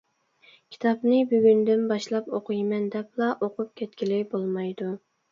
كىتابنى بۈگۈندىن باشلاپ ئوقۇيمەن دەپلا ئوقۇپ كەتكىلى بولمايدۇ.